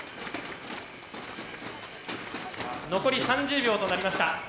残り３０秒となりました。